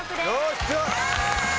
よし！